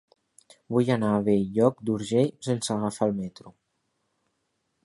Vull anar a Bell-lloc d'Urgell sense agafar el metro.